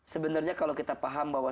sebenarnya kalau kita paham bahwa